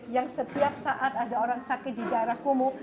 yang setiap saat ada orang sakit di daerah kumuh